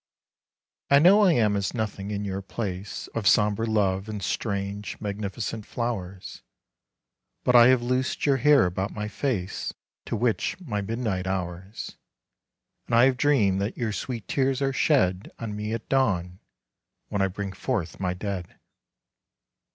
t know I am as nothing in your place Of sombre love and strange, magnificent flowers, But I have loosed your hair about my face To witch my midnight hours ; And I have dreamed that your sweet tears are shed On me at dawn when I bring forth my dead.